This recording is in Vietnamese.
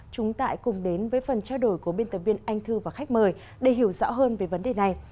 chúng ta cùng đến với phần trao đổi của biên tập viên anh thư và khách mời để hiểu rõ hơn về vấn đề này